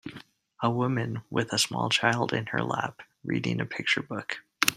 A woman with a small child in her lap reading a picture book.